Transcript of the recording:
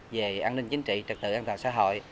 về an ninh chính trị trật tự an toàn xã hội